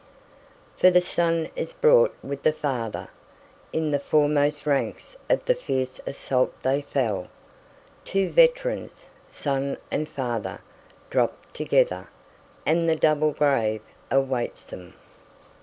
5For the son is brought with the father; In the foremost ranks of the fierce assault they fell; Two veterans, son and father, dropt together, And the double grave awaits them.